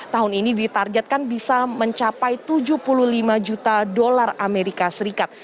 tahun ini ditargetkan bisa mencapai tujuh puluh lima juta dolar amerika serikat